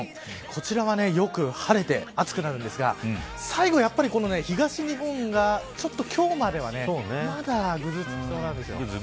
こちらはよく晴れて暑くなるんですが最後、やっぱり東日本がちょっと今日まではまだぐずつきそうなんです。